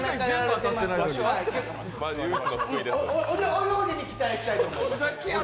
お料理に期待したいと思います。